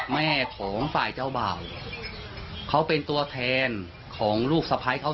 แม่ของฝ่ายเจ้าบ่าวเขาเป็นตัวแทนของลูกสะพ้ายเขา